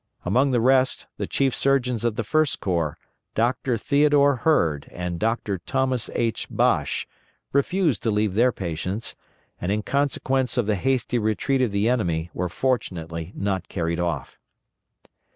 Among the rest, the chief surgeons of the First Corps, Doctor Theodore Heard and Doctor Thomas H. Bache, refused to leave their patients, and in consequence of the hasty retreat of the enemy were fortunately not carried off.